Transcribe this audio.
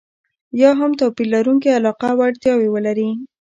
یا هم توپير لرونکې علاقه او اړتياوې ولري.